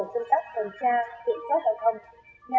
cục cảnh sát giao thông chỉ đạo các đơn vị tăng cường cân cấp